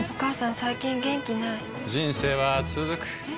最近元気ない人生はつづくえ？